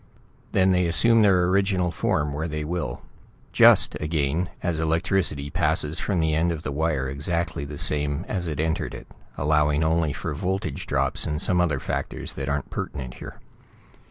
Then they assume their original form where they will just, again, as electricity passes from the end of the wire exactly the same as it entered it, allowing only for voltage drops and some other factors that aren't pertinent here.